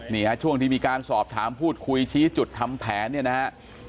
นี่ฮะช่วงที่มีการสอบถามพูดคุยชี้จุดทำแผนเนี่ยนะฮะ